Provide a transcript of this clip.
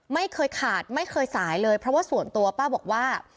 ไม่เคยขาดไม่เคยสายเลยเพราะว่าส่วนตัวป้าบอกว่า